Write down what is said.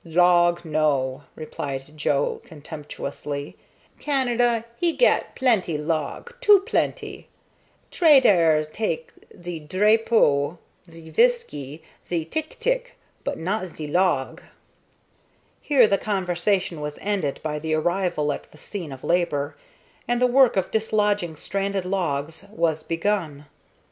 "Log, no," replied Joe, contemptuously. "Canada, he gat plenty log too plenty. Tradair tak' ze drapeau, ze viskey, ze tick tick, but not ze log." Here the conversation was ended by the arrival at the scene of labor, and the work of dislodging stranded logs was begun.